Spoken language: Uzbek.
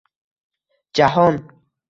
Jahon